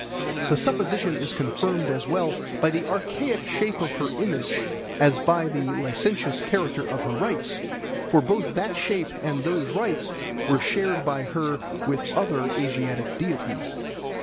The supposition is confirmed as well by the archaic shape of her image as by the licentious character of her rites; for both that shape and those rites were shared by her with other Asiatic deities.